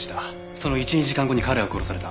その１２時間後に彼は殺された。